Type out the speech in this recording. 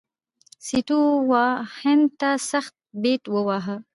سټیو وا هند ته سخت بیټ وواهه.